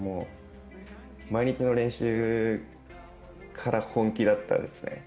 毎日の練習から本気だったですね。